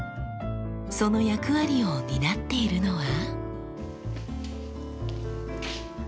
その役割を担っているのは。